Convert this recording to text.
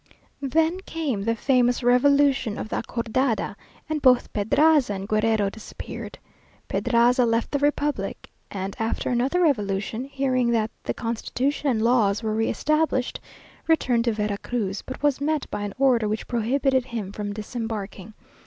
Then came the famous revolution of the Acordada, and both Pedraza and Guerrero disappeared. Pedraza left the Republic, and after another revolution, hearing that "the constitution and laws were re established," returned to Vera Cruz; but was met by an order which prohibited him from disembarking.